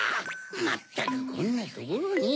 まったくこんなところに。